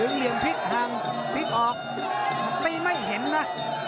เหลี่ยมพลิกห่างพลิกออกตีไม่เห็นนะ